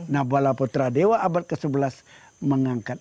nah bola putra dewa abad ke sebelas mengangkat